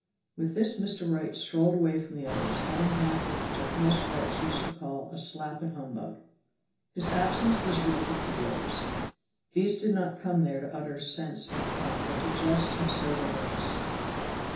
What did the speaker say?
With this Mr. Wright strolled away from the others, having had what the jocose wretch used to call "a slap at humbug." His absence was a relief to the others. These did not come there to utter sense in fun but to jest in sober earnest.